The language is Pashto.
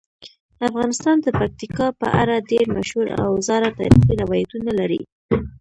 افغانستان د پکتیکا په اړه ډیر مشهور او زاړه تاریخی روایتونه لري.